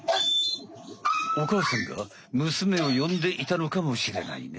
おかあさんがむすめをよんでいたのかもしれないね。